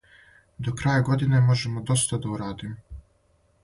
До краја године можемо доста да урадимо.